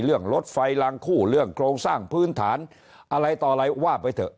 เรื่องรถไฟลางคู่เรื่องโครงสร้างพื้นฐานอะไรต่ออะไรว่าไปเถอะ